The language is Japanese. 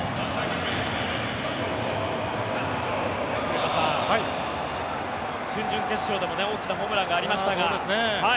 古田さん、準々決勝でも大きなホームランがありましたが。